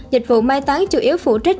dịch vụ mai tán chủ yếu phụ trách